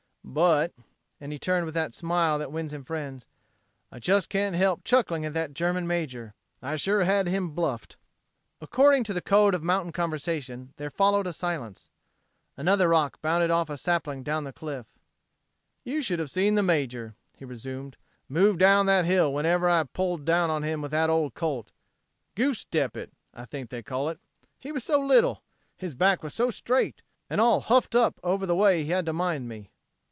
"But," and he turned with that smile that wins him friends, "I just can't help chuckling at that German major. I sure had him bluffed." According to the code of mountain conversation there followed a silence. Another rock bounded off the sapling down the cliff. "You should have seen the major," he resumed, "move on down that hill whenever I pulled down on him with that old Colt. 'Goose step it', I think they call it. He was so little! His back so straight! And all huffed up over the way he had to mind me."